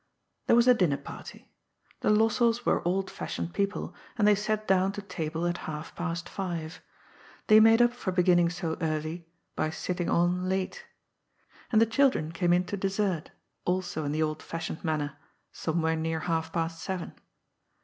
There was a dinner party. The Lossells were old fash ioned people, and they sat down to table at half past five. They made up for beginning so early by sitting on late. And the children came in to dessert, also in the old fash ioned manner, somewhere near half past seven.